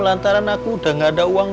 lantaran aku udah gak ada uang